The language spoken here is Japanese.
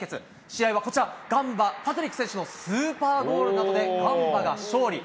試合はこちら、ガンバ、パトリック選手のスーパーゴールなどでガンバが勝利。